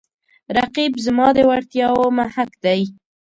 رقیب زما د وړتیاو محک دی